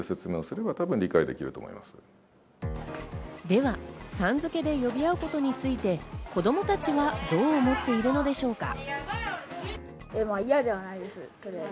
では、さん付けで呼び合うことについて子供たちはどう思っているのでしょうか。